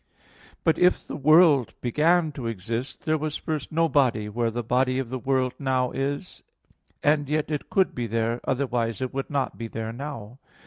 But if the world began to exist, there was first no body where the body of the world now is; and yet it could be there, otherwise it would not be there now.